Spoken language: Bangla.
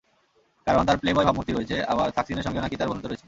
কারণ, তাঁর প্লেবয় ভাবমূর্তি রয়েছে, আবার থাকসিনের সঙ্গেও নাকি তাঁর বন্ধুত্ব রয়েছে।